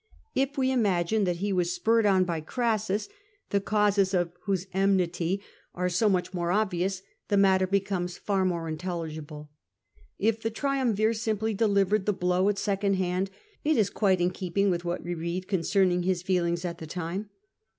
If we imagine that be was spurred on by Crassus, the causes of whose enmity are CRASSUS AND CICERO 193 so much more obvious, the matter becomes far more in telligible If the triumvir simply delivered the blow at second hand, it is quite in keeping with what we read concerning his feelings at this time.